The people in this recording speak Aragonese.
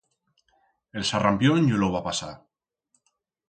El sarrampión yo lo va pasar.